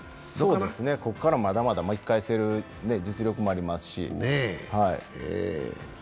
ここからまだまだ巻き返せる実力もありますし。